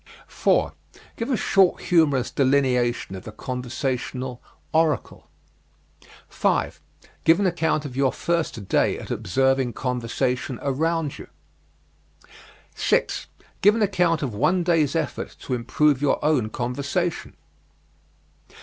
4. Give a short humorous delineation of the conversational "oracle." 5. Give an account of your first day at observing conversation around you. 6. Give an account of one day's effort to improve your own conversation.